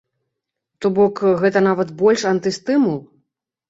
То бок, гэта нават больш антыстымул.